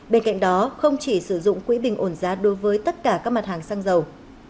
bên cạnh đó không chỉ sử dụng quỹ bình ổn giá đối với tất cả các mặt hàng xăng dầu